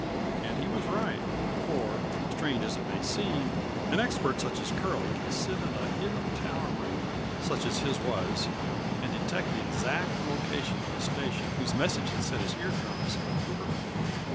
And he was right for, strange as it may seem, an expert such as Curlie can sit in a hidden tower room such as his was and detect the exact location of a station whose message has set his ear drums aquiver.